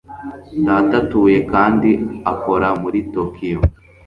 Data atuye kandi akora muri Tokiyo.